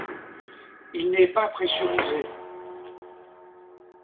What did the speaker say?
Il n'est pas pressurisé.